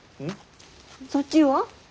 そっちは？